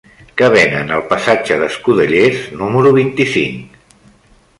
Què venen al passatge d'Escudellers número vint-i-cinc?